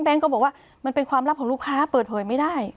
ก็บอกว่ามันเป็นความลับของลูกค้าเปิดเผยไม่ได้